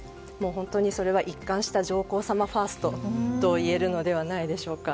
本当にそれは一貫した上皇さまファーストといえるのではないのでしょうか。